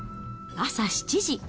朝７時。